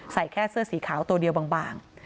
แค่เสื้อสีขาวตัวเดียวบาง